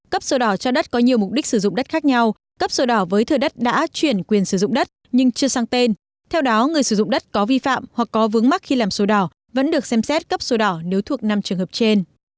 cấp sổ đỏ cho đất có nhiều mục đích sử dụng đất khác nhau cấp sổ đỏ với thừa đất đã chuyển quyền sử dụng đất nhưng chưa sang tên theo đó người sử dụng đất có vi phạm hoặc có vướng mắc khi làm sổ đỏ vẫn được xem xét cấp sổ đỏ nếu thuộc năm trường hợp trên